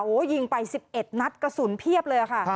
โอ้โหยิงไป๑๑นัดกระสุนเพียบเลยค่ะ